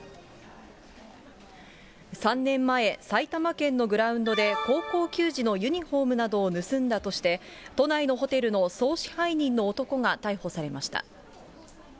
３年前、埼玉県のグラウンドで、高校球児のユニホームなどを盗んだとして、都内のホテルの総支配人の男が逮捕されました。